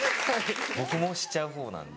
僕もしちゃう方なんです。